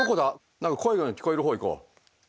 何か声が聞こえる方行こう。